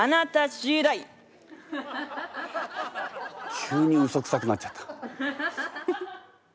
急にうそくさくなっちゃった。